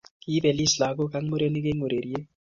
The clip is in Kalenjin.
Kiipelis lakok ak murenik eng ureriet